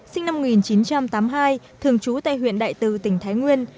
sinh năm một nghìn chín trăm tám mươi hai thường trú tại huyện đại từ tỉnh thái nguyên